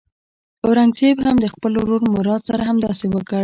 اورنګزېب هم د خپل ورور مراد سره همداسې وکړ.